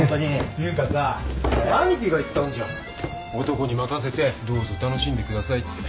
「男に任せてどうぞ楽しんでください」って。